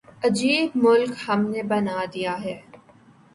عجیب ملک ہم نے بنا دیا ہے۔